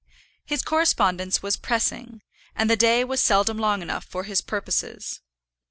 His correspondence was pressing, and the day was seldom long enough for his purposes.